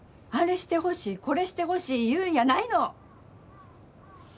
あれしてほしいこれしてほしい言うんやないの！